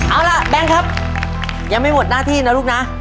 เอาล่ะแบงค์ครับยังไม่หมดหน้าที่นะลูกนะ